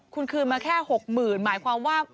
คุณคืนมาแค่๖๐๐๐หมายความว่า